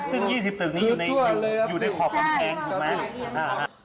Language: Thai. สิ่ง๒๐ตึกนี้อยู่ในขอบกำแพงใช่ครับ